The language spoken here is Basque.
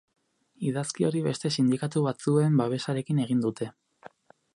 Idazki hori beste sindikatu batzuen babesarekin egin dute.